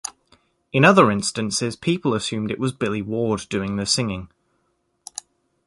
In other instances people assumed it was Billy Ward doing the singing.